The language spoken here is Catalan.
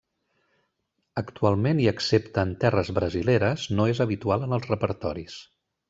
Actualment i excepte en terres brasileres, no és habitual en els repertoris.